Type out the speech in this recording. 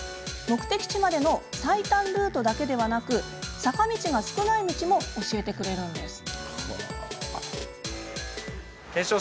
目的地までの最短ルートだけではなく坂道が少ない道も教えてくれるんです。